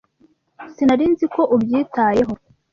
Sinari nzi ko ubyitayeho.